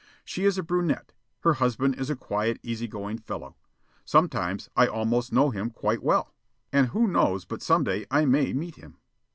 She is a brunette. Her husband is a quiet, easy going fellow. Sometimes I almost know him quite well. And who knows but some day I may meet him?